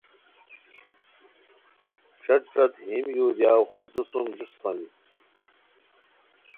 ݯت ݯت ہیم یو دیاؤ خازوسُم جوست ہونی